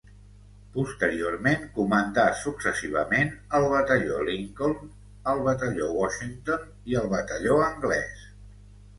Posteriorment, comandà successivament el batalló Lincoln, el batalló Washington i el batalló anglès.